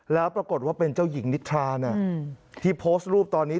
แล้วปรากฏว่าเป็นเจ้าหญิงนิทราที่โพสต์รูปตอนนี้